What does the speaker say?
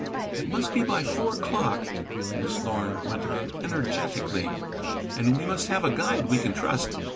"It must be by four o'clock," Miss Thorn went on energetically, "and we must have a guide we can trust.